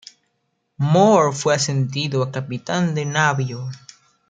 Moore fue ascendido a capitán de navío.